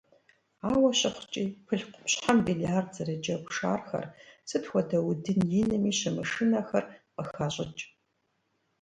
Ауэ щыхъукӀи, пыл къупщхьэм биллиард зэрыджэгу шархэр, сыт хуэдэ удын инми щымышынэхэр, къыхащӀыкӀ.